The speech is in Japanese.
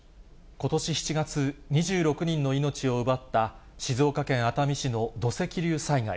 ことし７月、２６人の命を奪った静岡県熱海市の土石流災害。